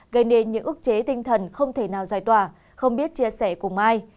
gây nên những ước chế tinh thần không thể nào giải tỏa không biết chia sẻ cùng ai